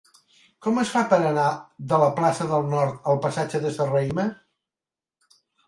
Com es fa per anar de la plaça del Nord al passatge de Serrahima?